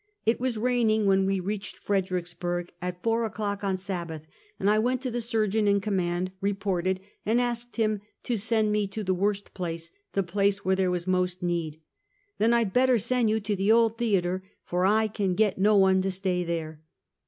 It was raining when we reached Fredericksburg, at four o'clock on Sabbath, and I went to the surgeon in command, reported, and asked him to send me to the worst place — the place where there was most need. " Then I had better send you to the Old Theater, for I can get no one to stay there."